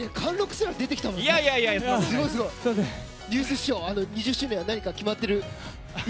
師匠、２０周年は何か決まってる？